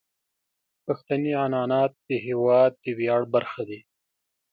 پښتني عنعنات د هیواد د ویاړ برخه دي.